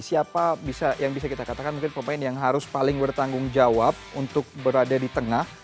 siapa yang bisa kita katakan mungkin pemain yang harus paling bertanggung jawab untuk berada di tengah